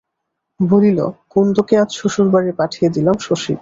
বলিল, কুন্দকে আজ শ্বশুরবাড়ি পাঠিয়ে দিলাম শশী।